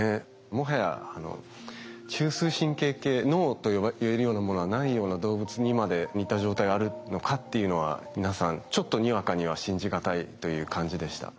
もはや中枢神経系脳と言えるようなものはないような動物にまで似た状態があるのかっていうのは皆さんちょっとにわかには信じ難いという感じでした。